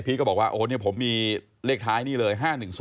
พีทก็บอกว่าผมมีเลขท้ายนี่เลย๕๑๐